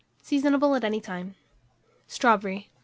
Seasonable at any time. STRAWBERRY.